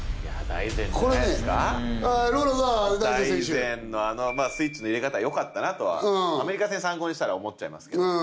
大然のスイッチの入れ方よかったなとはアメリカ戦参考にしたら思っちゃいますけど。